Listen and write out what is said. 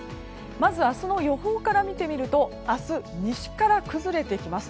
まず、明日の予報から見てみると明日、西から崩れてきます。